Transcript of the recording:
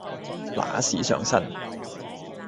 揦屎上身